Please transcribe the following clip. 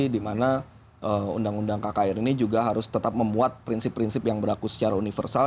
dimana undang undang kkir ini juga harus tetap memuat prinsip prinsip yang berlaku secara universal